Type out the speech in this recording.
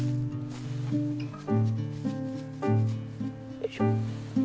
よいしょ。